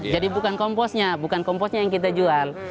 jadi bukan komposnya yang kita jual